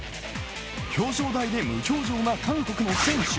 表彰台で無表情な韓国の選手。